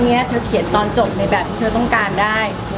เขาเขียนตอนจบในแบบที่เธอต้องการได้